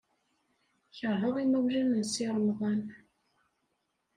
Keṛheɣ imawlan n Si Remḍan.